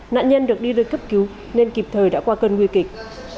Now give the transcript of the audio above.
nạn nhân được đi đưa cấp cứu nên kịp thời đã qua cơn nguy kịch